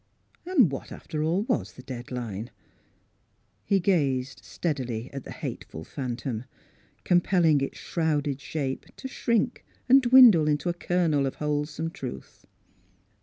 And what, after all, was the " dead line "? Miss Philura's Wedding Gown He gazed steadily at the hateful phantom, compelling its shrouded shape to shrink and dwindle into a kernel of wholesome truth.